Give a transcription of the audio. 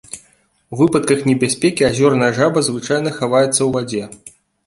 У выпадках небяспекі азёрная жаба звычайна хаваецца ў вадзе.